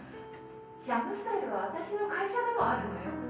シャムスタイルは私の会社でもあるのよ。